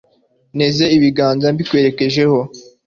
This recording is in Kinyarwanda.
nteze ibiganza mbikwerekejeho